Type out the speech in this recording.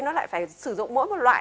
nó lại phải sử dụng mỗi một loại